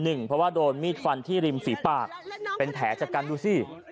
เพราะว่าโดนมีดฟันที่ริมฝีปากเป็นแผลจากการดูสิ